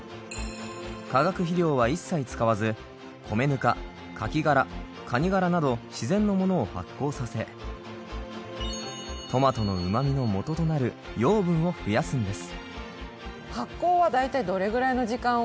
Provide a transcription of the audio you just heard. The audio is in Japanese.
化学肥料は一切使わず米ぬかカキ殻カニ殻など自然のものを発酵させトマトの旨味のもととなる養分を増やすんです。